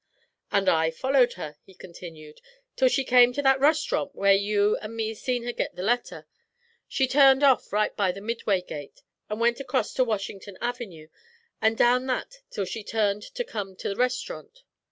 'And I followed her,' he continued, 'till she come to that rest'runt where you an' me see her git the letter; she turned off right by the Midway gate, and went acrost to Wash'n'ton Avenue, an' down that till she turned to come to the rest'runt.